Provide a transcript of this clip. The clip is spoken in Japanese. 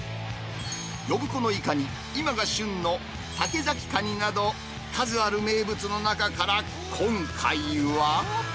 呼子のイカに、今が旬の竹崎カニなど、数ある名物の中から今回は。